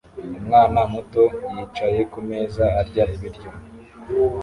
Umwana muto yicaye kumeza arya ibiryo